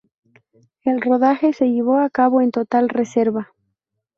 El rodaje se llevó a cabo en total reserva.